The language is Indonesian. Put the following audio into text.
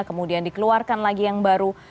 kemudian dikeluarkan lagi yang baru